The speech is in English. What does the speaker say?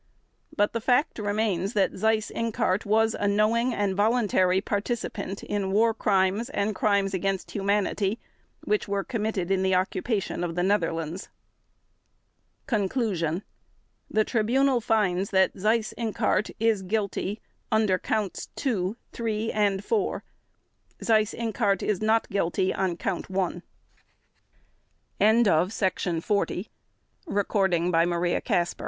But the fact remains that Seyss Inquart was a knowing and voluntary participant in War Crimes and Crimes against Humanity which were committed in the occupation of the Netherlands. Conclusion The Tribunal finds that Seyss Inquart is guilty under Counts Two, Three, and Four. Seyss Inquart is not guilty on Count One. SPEER Speer is indicted under all four Counts.